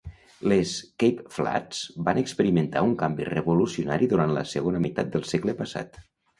Les Cape Flats van experimentar un canvi revolucionari durant la segona meitat del segle passat.